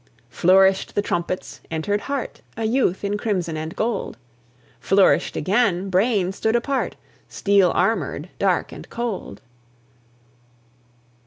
II. Flourished the trumpets, entered Heart, A youth in crimson and gold; Flourished again; Brain stood apart, Steel armoured, dark and cold.